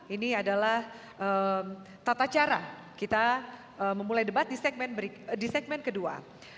ini adalah tata cara kita memulai debat di segmen kedua